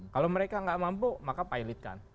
kalau mereka gak mampu maka pilotkan